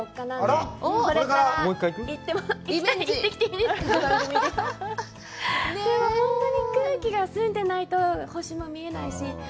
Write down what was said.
でも、本当に空気が澄んでないと星も見えないし。